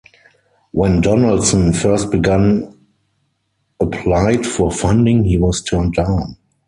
When Donaldson first begun applied for funding he was turned down.